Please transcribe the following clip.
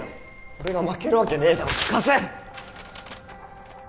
俺が負けるわけねえだろ貸せ！